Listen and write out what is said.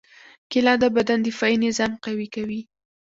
کېله د بدن دفاعي نظام قوي کوي.